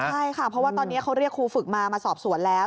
ใช่ค่ะเพราะว่าตอนนี้เขาเรียกครูฝึกมามาสอบสวนแล้ว